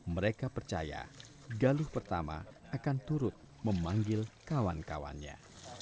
mereka percaya galuh pertama akan turut memanggil kawan kawannya